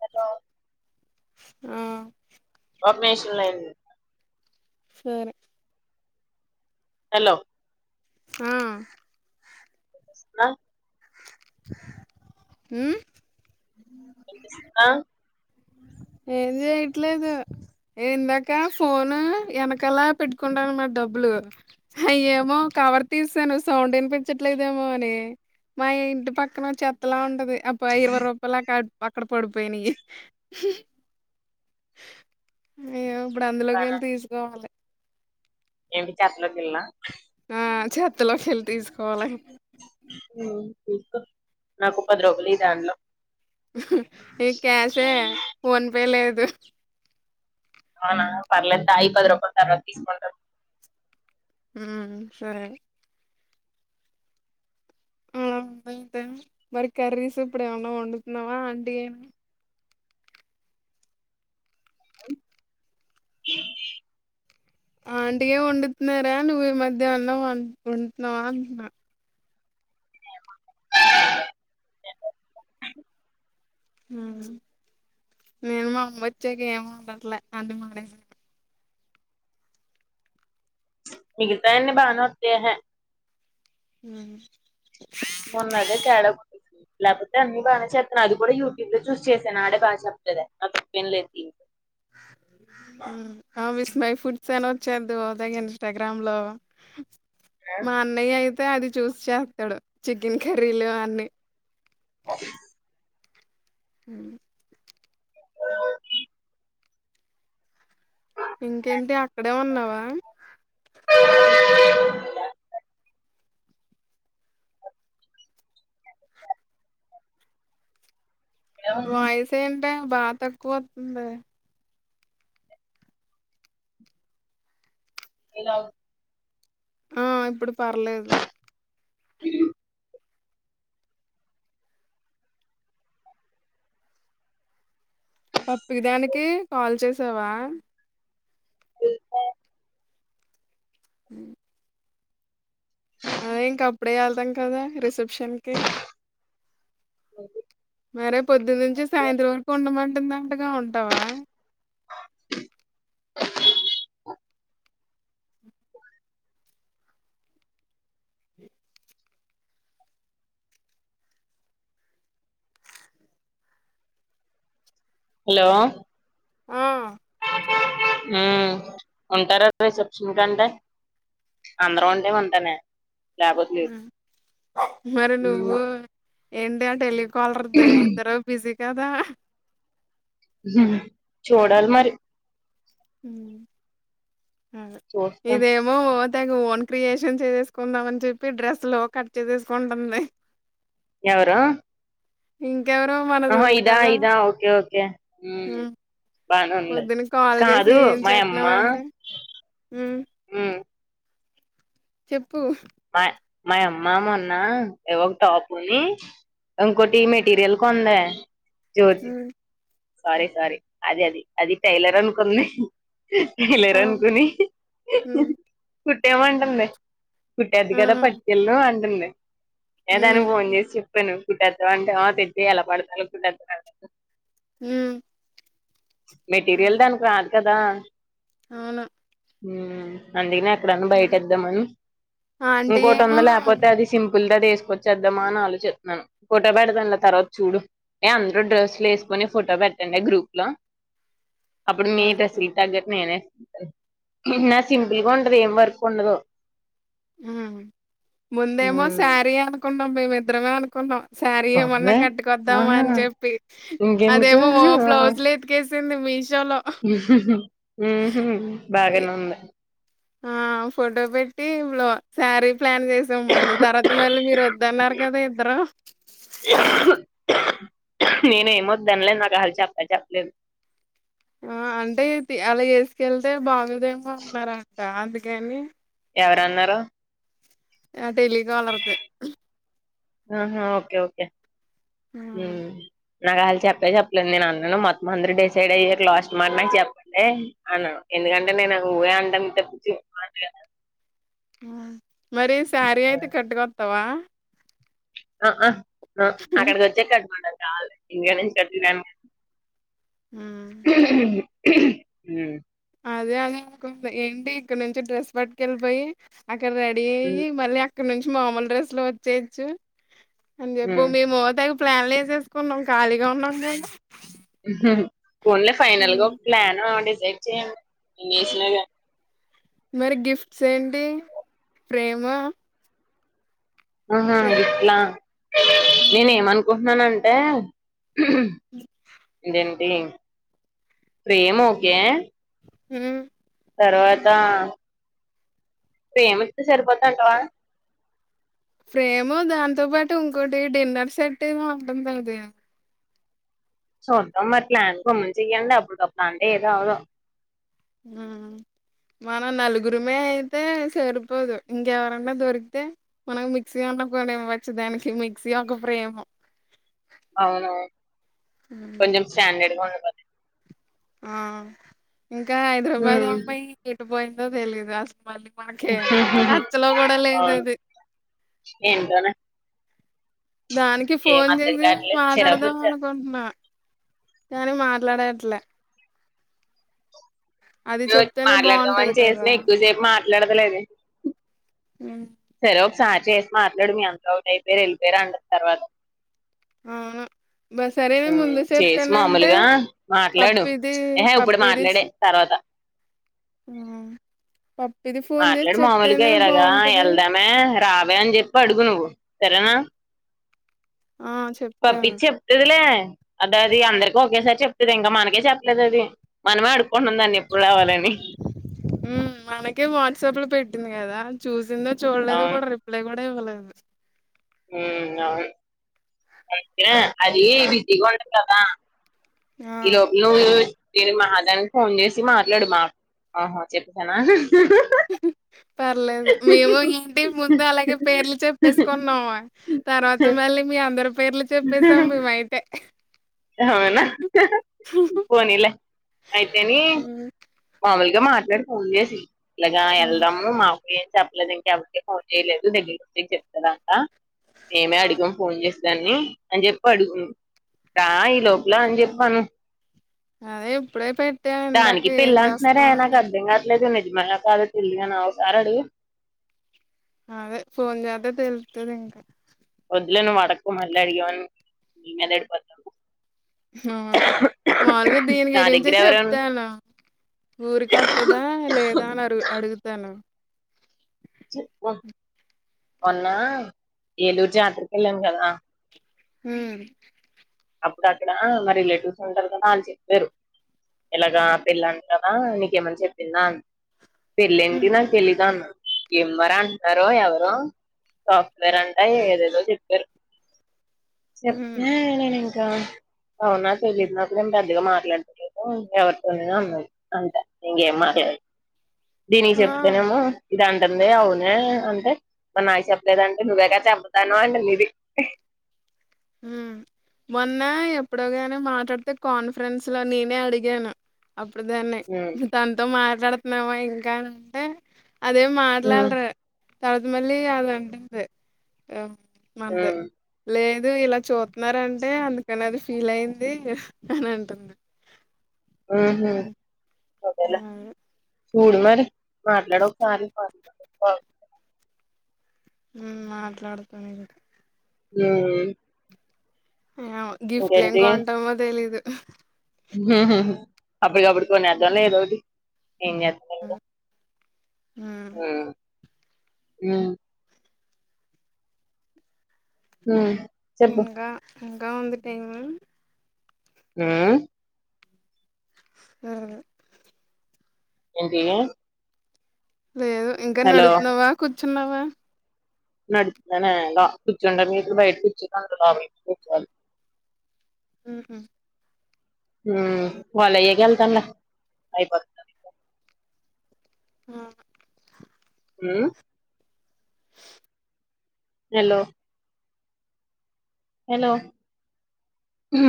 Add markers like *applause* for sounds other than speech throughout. Hello ఆ సరే hello ఆ నా ఊ ఆ ఏంది చేయట్లేదు ఏ ఇందాక ఫోను వెనకాల పెట్టుకుంటను మరి డబ్బులు అయ్యేమో కవర్ తీసాను సౌండ్ వినిపించట్లేదేమో అని మా ఇంటి పక్కన చెత్తలా ఉంటది. అప్పు ఇరవై రూపాయలకా పక్కడ పడిపోయినాయి అయ్యో ఇప్పుడు అందులోకి వెళ్ళి తీసుకోవాలి ఎందుకే అట్లఅర్తిళ్లా చెత్తలో సెల్ తీసుకోవాలి ఉ తీస్కో నాకు పది రుపాలు దాంట్లో ఏ క్యాషే ఫోన్పే లేదు అవునా పర్లేంతాయి పది రూపాయలు తర్వాత తీసుకుంటం ఉమ్ సరే అవులా ఉందయితే మరి కర్రీస్ ఇప్పుడు ఏమన్న వండుతున్నావా అంటి ఏనా ఆంటి ఏ వండుతున్నారా నువ్వు ఈ మధ్య అన్నం వన్ వండుతున్నావా అంటున్నా ఆ నేను మామ్మ్ వచ్చాక ఏమవండట్లే అది మానేశా మిగితాయన్ని బానే వాత్తాయి హెయ ఉ మొన్న అదే తేడా లేకపోతే అన్ని బానే చెత్తన్నా అది కూడా యూట్యూబ్ లో చూసి చేసాను ఆడే బాగా చెప్లేద అన్ వినలేదు ఆ విస్ మై ఫుడ్ సన చేద్దువు ఉదయ్ ఇన్స్టాగ్రామ్ లో మా అన్నయ్య అయి అది చూసి చేస్తాడు చికెన్ కర్రీలు అన్ని ఉ ఇంకేంటి అక్కడే ఉన్నావా వాయిస్ ఏంటి బాగ తక్కువత్తుంది ఇలావ్ ఆ ఇప్పుడు పర్లేదు ఈ పప్పీ దానికి కాల్ చేసావా అ అదే ఇంక అప్పుడే ఎళ్తాం కదా రిసెప్షన్ కి మరే పొద్దునుంచి సాయంత్రం వరకు ఉండమంటుందంటగా ఉంటవా హలో ఆ ఆ ఉంటారపేసి వచ్చిన కంటే అందరం ఉంటే ఉంటానే లేకపోతే లేదు మరి నువ్వు ఏంటే అంటే ఎళ్ళి కాలర్ దే ఇద్దరు బిజీ కదా హు హ్మ్ చూడాలి హ్మ్. మరి చూస్తాం ఇదేమో తెగ ఓన్ క్రియేషన్ చేసేసుకుందాం అని చెప్పి డ్రెస్ లో కట్ చేసేసుకుంటుంది ఎవరు ఇంకెవరు మనది ఆహా ఉంది ఇదా కదా ఇదా ఓకే ఓకే ఉమ్ హ్మ్ బానే ఉంది పొద్దున కాల్ చేసి కాదు ఏం మా యమ్మ చేత్తున్నావంటే హ్మ్ ఉమ్ చెప్పు మా మయమ్మ మొన్న ఎఓ టాప్ ఉన్ను ఇంకోటి మెటీరియల్ కొందే మ్మ్ స్వారీ స్వారీ అది అది అది టైలర్ అనుకుంది. ఆ! రేలనుకొని హ్మ్. కుట్టేమంటుంది కుట్టేద్ది ఆ! కదా పట్టుకేల్లు అంటుంది. ఎ హ్మ్. దానికి ఫోన్‌చేసి చెప్పాను కుట్టేత్తావ అంటే ఆ తెప్పియాల *unintelligible* హ్మ్ మెటీరియల్ హ్మ్. దాన్క్ రాదు కదా అవును హ్మ్ అందుక్నే ఎప్పుడన్నా ఆ! బయటేద్దామని ఆంటీ ఏమో ఇంకోటుందిలే లేకపోతే అది చిం పుల్ దాది ఏసుకొచ్చేద్దామా అని ఆలోచిత్తున్నాను ఫోటో పెడతాం లే తర్వాత చూడు ఏ అందురూ డ్రెస్సుల్లు ఎస్ కొన్ని ఫోటో పెటన్లే గ్రూప్ లో అప్పుడు మీ ఆ! డ్రెస్ఇయ్యి తగ్గట్టు *unintelligible* హ్మ్ హు నాది సింపుల్ గా ఉంటది ఏం వర్క్ ఉండదు. ముందేమో ఉమ్ శారీ అనుకున్నాం మేమిద్దరమే అనుకున్నాం. శారీ ఏమన్నా బాబోయ్ కట్టుకొద్దామా ఆహా అని చెప్పి ఇంకెందుకు అదేమో ఓ బ్లౌజ్లో ఎతికేస్ స్తుంది మీష్ హ్మ్ హు ఎ బాగానే ఉంది ఆ ఫోటో పెట్టి బ్లా శారీ ప్లాన్ చేసాం ముందు తర్వాత మళ్ళీ మీరు వద్దన్నారు కదా ఇద్దరు నేనేమోద్దన్లేదు నాకు అళ్ చెప్ప చెప్పలేదు. ఆ అంటే అలా ఎసుకెళ్తే బాగోదేమో అంటున్నారంట అందుకని ఎవరన్నరు ఆ టెలికాలర్ దే ఆహా ఓకే ఓకే హ్మ్ నాకు ఆళ్ళు చెప్పే చెప్పలేదు నేను అన్నాను మొత్తం అందరు డిసైడ్ అయ్యారు లాస్ట్ మనమే చెప్పండే అన్నాను. ఎందుకంటే నేను నువ్వే అంటాన్ తప్పించి *unintelligible* మరి శారీ అయితే కట్టుకొత్తావా ఆఆ ఆ అక్కడికి వచ్చే కట్టుకుంటాను కావాలంటే ఇంగ నుంచి *unintelligible* హ్మ్ హ్మ్ అదే అదే అనుకుంది ఏంటి ఇక్కడ నుంచి డ్రెస్ పట్టుకెళ్ళిపోయి అక్కడ రెడీ అయ్యి మళ్ళ ఇక్కడ నుంచి మామూలు డ్రెస్ లో వచ్చేయెచ్చు అని చెప్ ఉమ్ మేమ్ హోటల్ ప్లాన్లు యేసేసుకున్నాం ఖాళీగా ఉన్నాం మేము పోన్లే ఫైనల్గా ప్లాన్ డిసైడ్ చేయండి యెసినగా మరి గిఫ్ట్స్ ఏంటి ఫ్రేము ఆహా ఇట్లా నేనే ఉమ్ మనుకుంటున్నానంటే ఇదేంది ఫ్రేమ్ ఓకే ఉమ్ తర్వాత ఫ్రేమిస్తే సరిపోదంటావా ఫ్రేము దాంతో పాటు ఇంకోటి డిన్నర్ సెట్ ఏమో అంటుంది అది చూద్దాం మరి ప్లాన్ గా మంచిగ ఇయ్యండి అప్పుడప్పుడు అంటే ఏది అవ్వదు మ్మ్ మన నలుగురిమే అయితే సరిపోదు ఇంకెవరన్న దొరికితే మనకు మిక్స్ మనం కోనేయి వొచ్చు దానికి మిక్సీ ఒక ప్రేము అవునా కొంచం స్టాండడ్ గా ఉన్నాం ఆ ఇంకా హైదరాబాద్ అమ్మాయి ఏటు బోయిందో తెలీదు అసలు మళ్ళీ మనకి టచ్ లో గూడా అవును లేదది ఏంటోనే దానికి ఏం ఫోన్ అర్థం జేసి కావట్లేదు చిరాకు మాట్లాడదాం వచ్చేస్తుంది అనుకుంటున్నా గాని మాట్లాడట్లే అది చెప్తేనే బావుంటది మాట్లాడదామని కదా! చేసిన ఎక్కువసేపు మా ట్లాడతలేదు హ్మ్. సరే ఒకసారి చేసి మాట్లాడు మీ అంత ఒకటి అయిపోయారు యెళ్ళిపోయారు అంటది తర్వాత అవును అబ్బ సరేనే ఉమ్, ముందు చేసి సెప్తానంటే మామూలుగా మాట్లాడు పప్పిది ఏహే ఇప్పుడు పప్పిది మాట్లాడే తర్వాత హ్మ్. పప్పిది ఫోన్ చేసి మాట్లాడు మామూలుగా చెప్తేనే ఇలాగా బావుంటది. యెళ్దామే రా వే అని చెప్పి అడుగు నువ్వు సరేనా ఆ! పప్పి చెప్తాను. చెప్తదిలే అది అది అందరికి ఒకేసారి చెప్తది ఇంకా మనకే చెప్పలేదు అది మనమే అడుకుంటున్నాం దాన్ని ఎప్పుడు రావాలని హ్మ్. మనకే వాట్సాప్‌లో పెట్టింది కదా చూసిందో చూడలేదో అవును కూడా రిప్లై కూడా ఇవ్వలేదు ఉమ్ అవును *unintelligible* అది విధిండదా ఈ ఆ! లోపు నువ్వు దీనికి మహాదానికి ఫోన్ జేసి మాట్లాడు మా ఆహా చెప్తనా *inaudible* పర్లేదు మేము ఇంటి ముందు అలాగే పేర్లు చెప్పేసుకున్నాము తర్వాత మళ్ళీ మీ అందరి పేర్లు చెప్పేసాం మేము అయితే అవునా పోనీలే అయితేని హ్మ్. మామూలు ఇగ మాట్లాడు ఫోన్ జేసి ఇలాగా హ్మ్. యెళ్దాము మా ఏం చెప్పలేదు ఇంక ఎవరికి ఫోన్ చేయలేదు దగ్గరకి వచ్చి చెప్తాదంట మేమే అడుగాం ఫోన్ జేసి దాన్ని అని జెప్పి అడుగు దా ఈ లోపల అని జెప్పి అను అదే ఇప్పుడే పెట్టా ఇందాక దానికి ఏం పిల్ల అంటున్నారే చేస్తున్నావు నాకు అని. అర్థం గాట్లేదు మ కద తిల్లినా సార అడి *unintelligible* అదే ఫోన్ జేత్తె తెలుస్తదింకా పిల్లను అడక్కు మళ్ళ అడిగావని నీమీద అడిపోత ఆ మాములుగా దీని నా గురించే దగ్గర ఎవరైనా చెప్తాను ఊరికొత్తదా లేదా అని అగు అడుగుతాను మొన్నా ఏలూరు జాతర కెళ్ళాం గదా ఉమ్ అప్పుడు అక్కడ మా రిలేటివ్స్ ఉంటారు కదా ఆళ్ళు చెప్పారు ఇలాగా పెళ్ళంట కదా నీకేమన్నా చెప్పిందా అని పెళ్ళెంటి హ్మ్. నాకు తెలీదు అన్నాను భీమవరం అంట ఎవరో సాఫ్ట్వేర్ అంట ఏదేదో జెప్పారు హ్మ్. చెప్తే నేనింకా అవునా తెలీదు నాకు గూడ బొత్తిగా మాట్లాడతలేము ఎవరితోను అన్నాను అంతే ఇంగేం మాట్లాడ దీనికి ఆ! చెప్తనేమో ఇది అంటుంది అవునే అంటే మరి నాకు చెప్పలేదంటే నువ్వేగ చెప్పెదు అనావు అంటది ఇది ఆమ్ మొన్న ఎప్పుడో కాని మాట్లాడితే కాన్ఫరెన్స్ లో నేనే అడిగాను అప్పుడు దాన్నే ఉమ్ తనతో మాట్లాడుతున్నావా ఇంకా అని అంటే అదేం ఉమ్ మాట్లాడారు తర్వతా మళ్ళి అదంటుంది మందే ఉమ్ లే ఇదిగో ఇలా చూతున్నారంటే అందుకని అది ఫీల్ అయింది అని అంటుంది ఉహుమ్ ఆ చూడు మరి మాట్లాడు ఒకసారి ఉమ్ మాట్లాడుతాను ఇగా అమ్ ఆ గిఫ్ట్ లు ఏం కొంటామో తెలిదు ఉహుమ్ అప్పటిప్పుడు కోనేదాం లే ఏదోటి ఏం చె ఆం ఆమ్ ఉమ్ ఉమ్ ఉమ్ చెప్పు ఇంకా ఇంకా వుంది టైము ఉమ్ సరే లే ఎంటి లేదు ఇంకా నడుతున్నావా కూర్చున్నావా నడుతున్నానా నో కూర్చున్నాను నే బయట కుర్చున్నాను లోపలికి ఇప్పుడు వచ్చాను ఉహుమ్ ఉమ్ వాళ్ళు అయాకే వెళ్ళానులే అయిపోది ఆహుమ్ అమ్ hello hello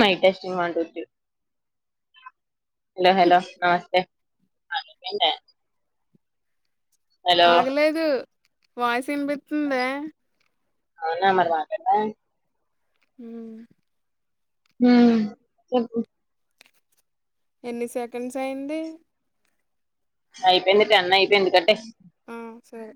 mic testing one two three hello hello నమస్తే హలో ఆగలేదు వాయిసు వినిపిస్తుందే అవునా మరి మా కెళ్ళా అమ్ ఉమ్ చెప్పు ఎన్ని సెకండ్స్ అయింది అయిపోయింది టేన్ అయిపోయింది కటేయి ఆమ్ సరే